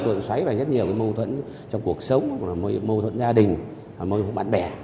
tượng xoáy vào rất nhiều cái mâu thuẫn trong cuộc sống mâu thuẫn gia đình mâu thuẫn bạn bè